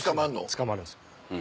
捕まるんです。